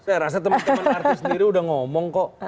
saya rasa teman teman artis sendiri udah ngomong kok